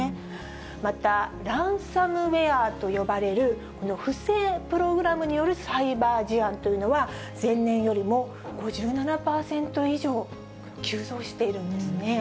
またランサムウエアと呼ばれる不正プログラムによるサイバー事案というのは、前年よりも５７％以上急増しているんですね。